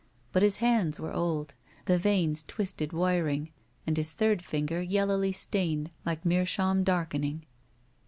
But his hands were old, the veins twisted wiring, and his third finger yellowly stained, like meerschaum darkening.